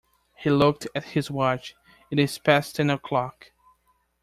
He looked at his watch, "it is past ten o'clock".